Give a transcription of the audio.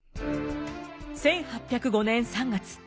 １８０５年３月。